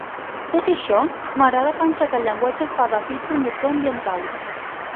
Tot i això, m'agrada pensar que el llenguatge fa de fil conductor ambiental.